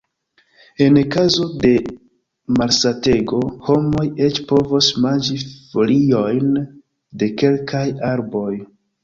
En kazo de malsatego, homoj eĉ povos manĝi foliojn de kelkaj arboj.